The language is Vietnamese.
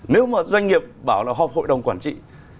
nếu mà doanh nghiệp bảo là họp hội đồng quản trị